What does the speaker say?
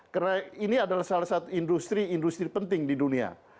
karena ini adalah salah satu industri industri penting di dunia